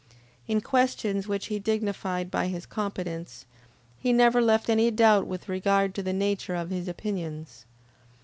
In questions which he dignified by his competence, he never left any doubt with regard to the nature of his opinions.